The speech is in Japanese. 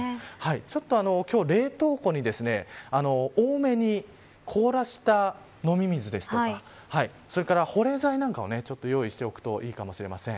ちょっと、今日は冷凍庫に多めに凍らせた飲み水ですとか保冷剤なんかをちょっと用意しておくといいかもしれません。